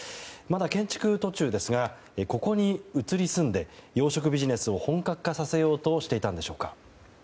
まだ建築途中ですがここに移り住んで養殖ビジネスを本格化させようとしていたんでしょうか。